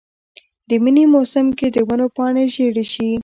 د منې موسم کې د ونو پاڼې ژیړې شي.